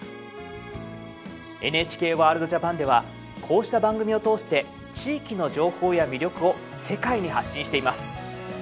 ＮＨＫワールドＪＡＰＡＮではこうした番組を通して地域の情報や魅力を世界に発信しています。